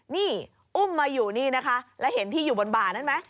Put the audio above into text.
นี่อุ้มมาอยู่นี่นะคะแล้วเห็นที่อยู่บนบ่านั้นไหม